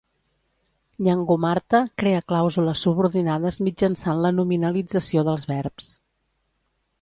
Nyangumarta crea clàusules subordinades mitjançant la nominalització dels verbs.